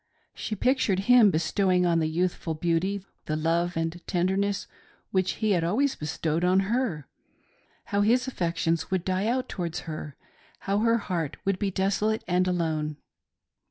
She pictured him bestowing on the youthful beauty the love and tenderness which he had always bestowed on ^^/;— how his affections would die out towards her; how her heart would be desolate and alone